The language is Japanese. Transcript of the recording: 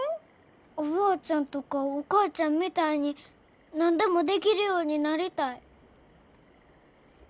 おばあちゃんとかお母ちゃんみたいに何でもできるようになりたい。